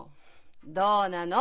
どうなの？